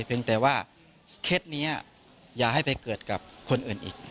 เพียงแต่ว่าเคล็ดนี้อย่าให้ไปเกิดกับคนอื่นอีก